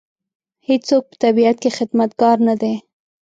هېڅوک په طبیعت کې خدمتګار نه دی.